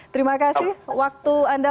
terima kasih waktu anda